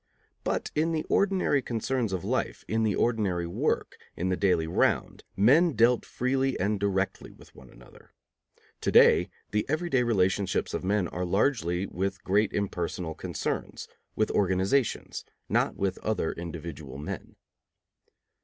But in the ordinary concerns of life, in the ordinary work, in the daily round, men dealt freely and directly with one another. To day, the everyday relationships of men are largely with great impersonal concerns, with organizations, not with other individual men.